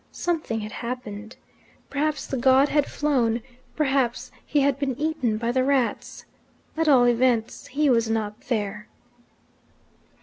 Something had happened. Perhaps the god had flown; perhaps he had been eaten by the rats. At all events, he was not there.